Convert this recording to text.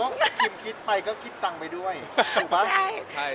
คิมคิดไปก็คิดตังไปด้วย